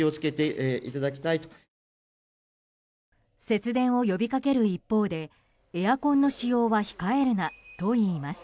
節電を呼びかける一方でエアコンの使用は控えるなといいます。